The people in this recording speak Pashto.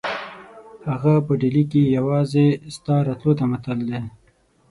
هغه په ډهلي کې یوازې ستا راتلو ته معطل دی.